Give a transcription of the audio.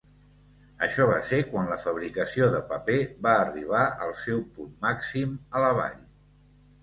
Això va ser quan la fabricació de paper va arribar al seu punt màxim a la vall.